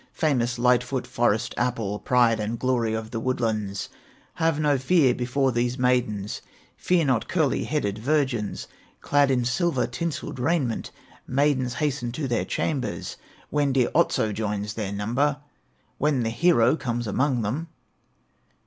Famous Light foot, Forest apple, Pride and glory of the woodlands, Have no fear before these maidens, Fear not curly headed virgins, Clad in silver tinselled raiment; Maidens hasten to their chambers When dear Otso joins their number, When the hero comes among them."